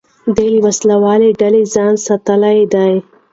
ده له وسلهوالو ډلو ځان ساتلی دی.